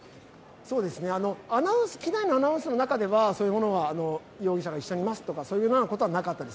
機内のアナウンスの中では、容疑者が一緒にいますとか、そういうようなことはなかったです。